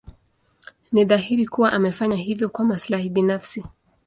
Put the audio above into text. Ni dhahiri kuwa amefanya hivyo kwa maslahi binafsi.